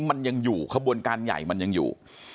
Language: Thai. มันยังอยู่ขบวนการใหญ่มันยังอยู่